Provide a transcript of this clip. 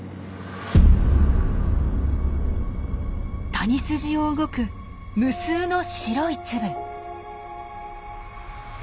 谷筋を動く無数の白い粒。